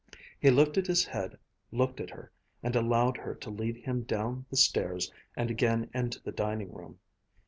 He lifted his head, looked at her, and allowed her to lead him down the stairs and again into the dining room.